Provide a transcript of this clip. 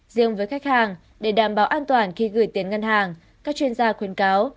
riêng với khách hàng để đảm bảo an toàn khi gửi tiền ngân hàng các chuyên gia khuyến cáo